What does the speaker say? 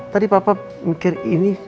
tadi papa mikir ini